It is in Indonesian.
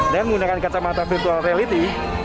dan menggunakan kacamata virtual reality